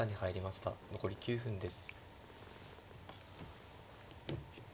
残り９分です。